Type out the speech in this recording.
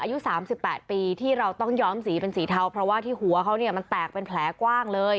อายุ๓๘ปีที่เราต้องย้อมสีเป็นสีเทาเพราะว่าที่หัวเขาเนี่ยมันแตกเป็นแผลกว้างเลย